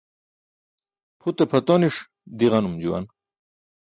Pʰute pʰatoniṣ diġanum juwan.